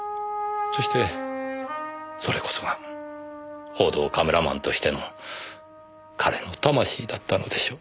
そしてそれこそが報道カメラマンとしての彼の魂だったのでしょう。